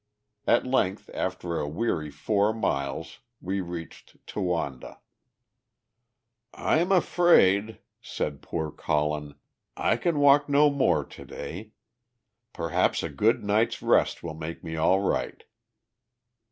At length, after a weary four miles, we reached Towanda. "I'm afraid," said poor Colin, "I can walk no more to day. Perhaps a good night's rest will make me all right."